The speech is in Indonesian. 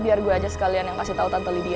biar gua aja sekalian yang kasih tau tante lydia